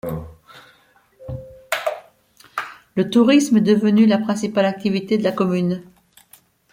Le tourisme est devenu la principale activité de la commune.